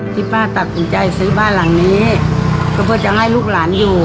ที่ป้าตัดสินใจซื้อบ้านหลังนี้ก็เพื่อจะให้ลูกหลานอยู่